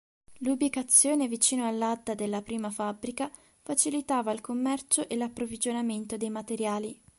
L’ubicazione vicino all’Adda della prima fabbrica facilitava il commercio e l’approvvigionamento dei materiali.